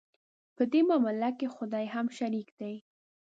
په دې معامله کې خدای هم شریک دی.